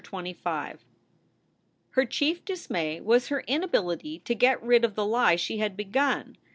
CHAPTER XXV HER chief dismay was her inability to get rid of the lie she had begun.